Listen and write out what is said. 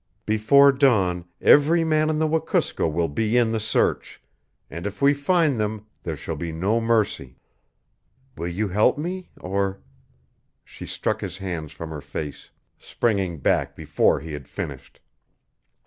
Before dawn every man on the Wekusko will be in the search, and if we find them there shall be no mercy. Will you help me, or " She struck his hands from her face, springing back before he had finished.